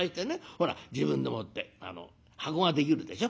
ほら自分でもって箱ができるでしょ。